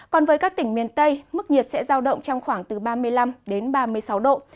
còn với các tỉnh miền tây mức nhiệt sẽ giao động trong khoảng từ ba mươi năm ba mươi sáu độ